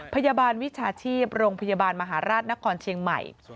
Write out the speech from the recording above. พยาบาลวิชาชีพโรงพยาบาลมหาราชนครเชียงใหม่